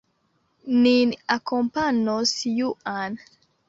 Nin akompanos Juan.